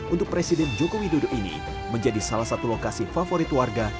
untuk presiden joko widodo ini menjadi salah satu lokasi favorit warga